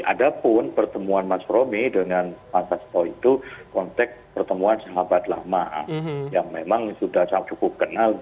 ada pun pertemuan mas romi dengan mas sasto itu konteks pertemuan sahabat lama yang memang sudah cukup kenal